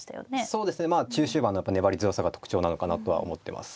そうですねまあ中終盤の粘り強さが特徴なのかなとは思ってます。